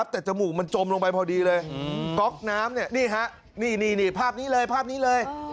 แต่จมูกมันจมลงไปพอดีเลยก๊อกน้ำนี่ฮะนี่ภาพนี้เลยภาพนี้เลย